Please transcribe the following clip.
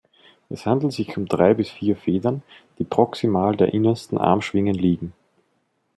Es handelt sich um drei bis vier Federn, die proximal der innersten Armschwingen liegen.